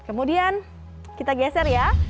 kemudian kita geser ya